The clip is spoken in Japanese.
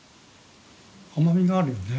甘みがあるよね。